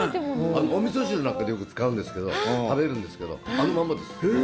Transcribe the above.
お味噌汁なんかで使うんだけど、食べるんですけど、あのまんまです。